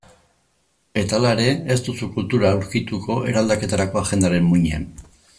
Eta hala ere, ez duzu kultura aurkituko eraldaketarako agendaren muinean.